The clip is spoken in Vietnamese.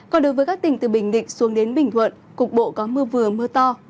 còn đối với các tỉnh từ bình định xuống đến bình thuận cục bộ có mưa vừa mưa to